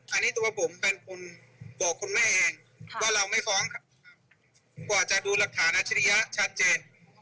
อันนี้ตัวผมเป็นคนบอกคุณแม่เองว่าเราไม่ฟ้องกว่าจะดูหลักฐานอาชิริยะชัดเจน